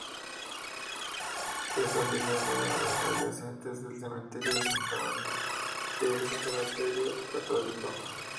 Es afiliado a adyacentes del cementerio de Santa María, que es un cementerio católico.